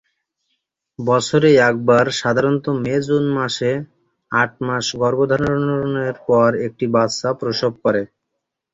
বছরে একবার সাধারনত মে-জুন মাসে আট মাস গর্ভধারণের পর একটি বাচ্চা প্রসব করে।